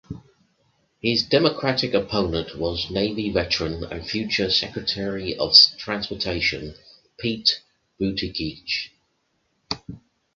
His Democratic opponent was Navy veteran and future Secretary of Transportation Pete Buttigieg.